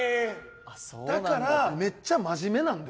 だからめっちゃ真面目なんですよ。